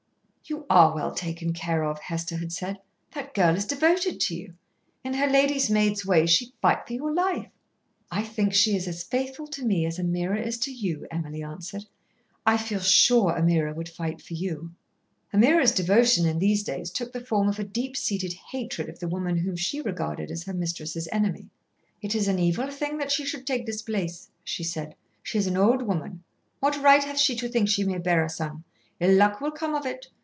"You are well taken care of," Hester had said. "That girl is devoted to you. In her lady's maid's way she'd fight for your life." "I think she is as faithful to me as Ameerah is to you," Emily answered. "I feel sure Ameerah would fight for you." Ameerah's devotion in these days took the form of a deep seated hatred of the woman whom she regarded as her mistress's enemy. "It is an evil thing that she should take this place," she said. "She is an old woman. What right hath she to think she may bear a son. Ill luck will come of it.